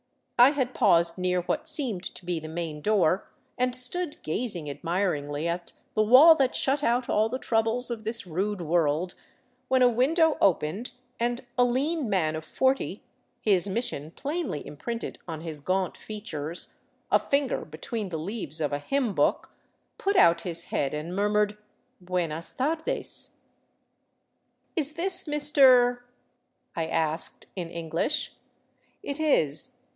I had paused near what seemed to be the main door, and stood gazing admiringly at the wall that shut out all the troubles of this rude world, when a window opened and a lean man of forty, his mission plainly imprinted on his gaunt features, a finger between the leaves of a hymn book, put out his head and murmured, " Buenas tardes." "Is this Mr. ?" I asked in EngHsh. " It is."